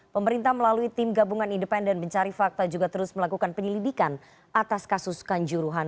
pemerintah melalui tim gabungan independen mencari fakta juga terus melakukan penyelidikan atas kasus kanjuruhan